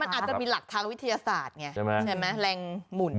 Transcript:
มันอาจจะมีหลักทางวิทยาศาสตร์ไงใช่ไหมแรงหมุน